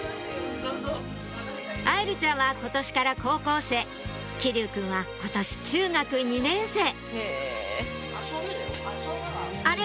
藍琉ちゃんは今年から高校生騎琉くんは今年中学２年生あれ？